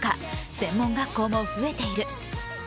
専門学校も増えている。